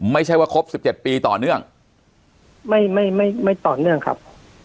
ไม่ใช่ว่าครบสิบเจ็ดปีต่อเนื่องไม่ไม่ไม่ไม่ต่อเนื่องครับ